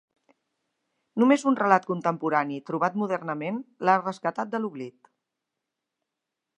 Només un relat contemporani trobat modernament l'ha rescatat de l'oblit.